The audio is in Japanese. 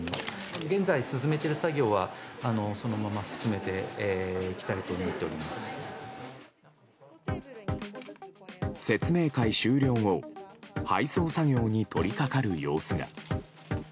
現在進めてる作業は、そのまま進めていきたいと説明会終了後、配送作業に取りかかる様子が。